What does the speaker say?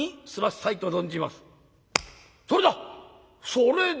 「それだ！